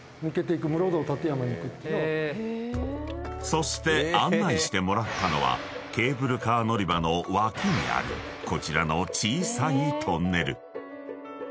［そして案内してもらったのはケーブルカー乗り場の脇にあるこちらの小さいトンネル］